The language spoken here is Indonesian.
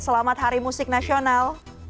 selamat hari musik nasional